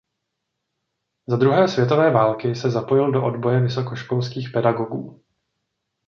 Za druhé světové války se zapojil do odboje vysokoškolských pedagogů.